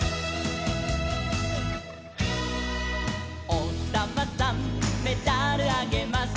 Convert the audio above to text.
「おひさまさんメダルあげます」